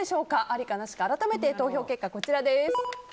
ありかなしか改めて投票結果こちらです。